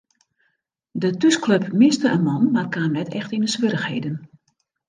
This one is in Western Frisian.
De thúsklup miste in man mar kaam net echt yn swierrichheden.